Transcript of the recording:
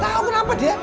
gak tau kenapa dia